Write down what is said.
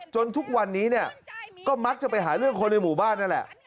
ทุกวันนี้เนี่ยก็มักจะไปหาเรื่องคนในหมู่บ้านนั่นแหละ